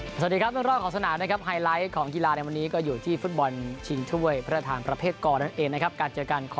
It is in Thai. สวัสดีครับท่านรกของสนามนะครับไฮไลท์ของกีฬาในวันนี้ก็อยู่ที่ฟุตบอลชินทุเวศ์พระธรรม